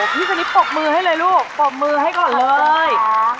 พี่สนิทปกมือให้เลยลูกปกมือให้ก่อนเลย